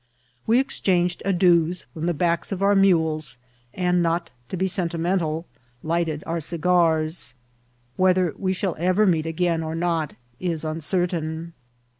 We ex chai^iged adieus from the backs of our mules, and, not to be sentimental, lighted our cigars. Whether we shall ever meet again or not is uncertain.